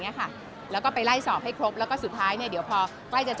เนี้ยค่ะแล้วก็ไปไล่สอบให้ครบแล้วก็สุดท้ายเนี่ยเดี๋ยวพอใกล้จะ